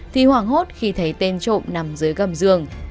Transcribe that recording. thì hoảng hốt khi thấy tên trộm nằm dưới gầm giường